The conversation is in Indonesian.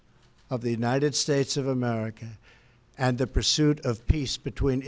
di as dan penyelamatkan keamanan antara israel dan palestina